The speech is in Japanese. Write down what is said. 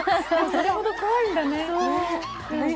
それほど怖いんだね。